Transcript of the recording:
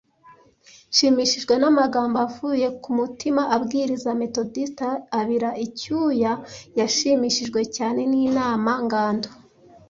Nshimishijwe n'amagambo avuye ku mutima abwiriza Metodiste abira icyuya, yashimishijwe cyane n'inama-ngando;